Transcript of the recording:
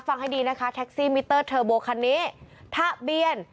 ให้ดีนะคะแท็กซี่มิเตอร์เทอร์โบคันนี้ทะเบียน